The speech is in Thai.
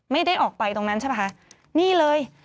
ไม่ได้ออกไปตรงนั้นใช่ไหมคะ